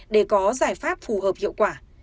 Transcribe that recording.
để có giải pháp phù hợp hiệu quả